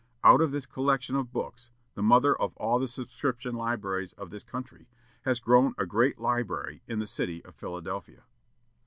Out of this collection of books the mother of all the subscription libraries of this country has grown a great library in the city of Philadelphia.